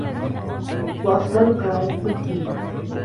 وَأَفْضَلُهَا عِلْمُ الدِّينِ